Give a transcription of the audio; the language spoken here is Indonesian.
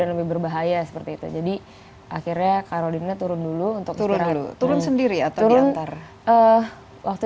lebih berbahaya seperti itu jadi akhirnya karodina turun dulu untuk sekarang dulu turun sendiri atau diantar waktu